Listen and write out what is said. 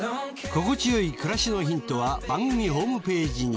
心地よい暮らしのヒントは番組ホームページに。